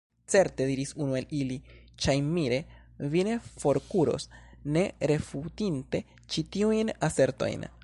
Certe, diris unu el ili, ŝajnmire, vi ne forkuros, ne refutinte ĉi tiujn asertojn!